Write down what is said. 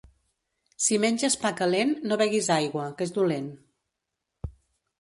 Si menges pa calent, no beguis aigua, que és dolent.